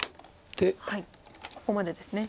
ここまでですね。